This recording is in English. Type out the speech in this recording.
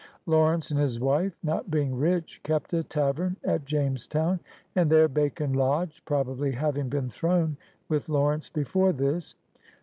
Law rence and his wife, not being rich, kept a tavern at Jamestown, and there Bacon lodged, probably having been thrown with Lawrence before this.